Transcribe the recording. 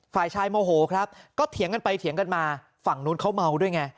ฝ่ายชายโมโหครับก็เถียงกันไปเถียงกันมาฝั่งนู้นเขาเมาด้วยไง